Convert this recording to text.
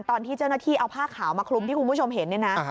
ตอนที่เจ้าหน้าที่เอาผ้าขาวมาคลุมที่คุณผู้ชมเห็นเนี่ยนะ